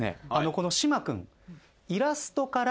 この島君。